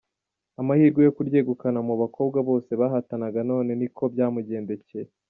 amahirwe yo kuryegukana mu bakobwa bose bahatanaga none niko byamugendekeye.